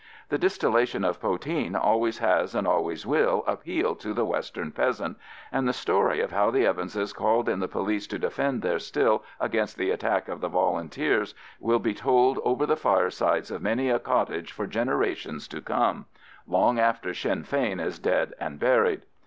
The distillation of poteen always has and always will appeal to the western peasant, and the story of how the Evanses called in the police to defend their still against the attack of the Volunteers will be told over the firesides of many a cottage for generations to come—long after Sinn Fein is dead and buried.